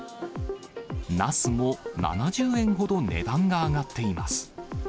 なすも７０円ほど値段が上がっています。